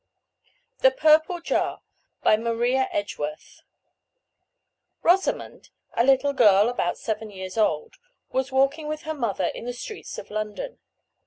THE PURPLE JAR By MARIA EDGEWORTH Rosamond, a little girl about seven years old, was walking with her mother in the streets of London.